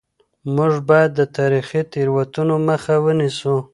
موږ باید د تاریخي تېروتنو مخه ونیسو.